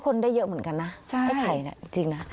คนได้เยอะเหมือนกันนะไอ้ไข่เนี่ยจริงนะ